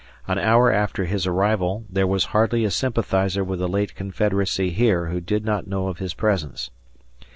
An hour after his arrival there was hardly a sympathizer with the late Confederacy here who did not know of his presence.